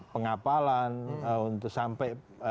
pengapalan untuk sampai